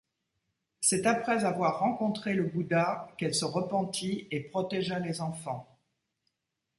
C'est après avoir rencontré le Bouddha qu'elle se repentit et protégea les enfants.